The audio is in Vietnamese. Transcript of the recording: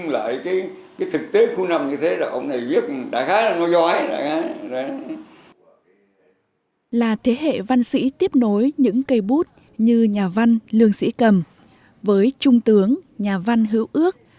là thế hệ văn sĩ tiếp nối những cây bút như nhà văn lương sĩ cầm với trung tướng nhà văn hữu ước